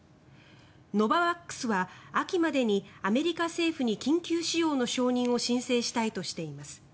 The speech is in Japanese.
ノババックスは、秋までにアメリカ政府に緊急使用の承認を申請したいとしています。